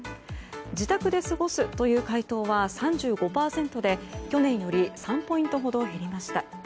自宅で過ごすという回答は３５％で去年より３ポイントほど減りました。